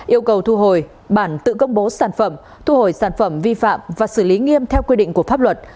yêu cầu thu hồi bản tự công bố sản phẩm thu hồi sản phẩm vi phạm và xử lý nghiêm theo quy định của pháp luật